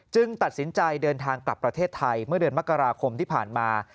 ตัดสินใจเดินทางกลับประเทศไทยเมื่อเดือนมกราคมที่ผ่านมา